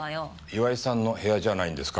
岩井さんの部屋じゃないんですか？